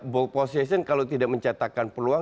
ball possession kalau tidak mencatatkan peluang